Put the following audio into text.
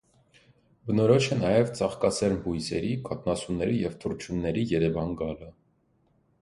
Բնորոշ է նաև ծածկասերմ բույսերի, կաթնասունների և թռչունների երևան գալը։